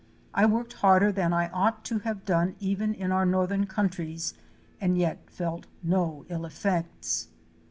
I worked harder than I ought to have done even in our northern countries and yet felt no ill effects.